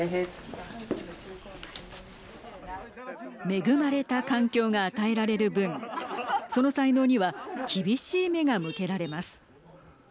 恵まれた環境が与えられる分その才能には厳しい目が向けられます。